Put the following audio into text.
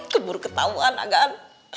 keburuk ketauan agan